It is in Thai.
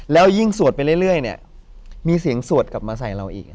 แล้วยิ่งสวดไปเรื่อยมีเสียงสวดกลับมาใส่เราอีก